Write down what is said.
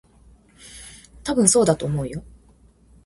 たぶん、そうだと思うよ。